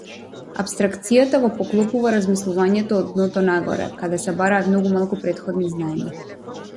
Апстракцијата го поклопува размислувањето од дното-нагоре каде се бараат многу малку претходни знаења.